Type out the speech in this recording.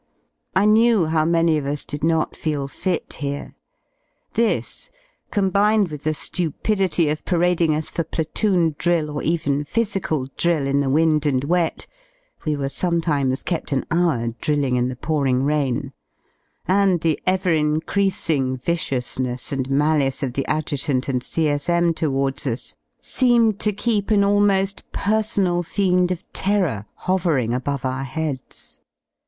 I knew how many of us did not feel fit here: this, com fbined with the Cupidity of parading us for platoon drill or even physical drill in the wind and wet (we were sometimes kept an hour drilling in the pouring rain), and the ever increasing^ viciou^ness ai^ trrahcet^the Adjutant and C.S.M. towards us, seemed to keep an almo^ personal fiendof terror hovering above our heads.